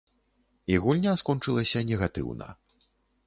І гульня скончылася негатыўна.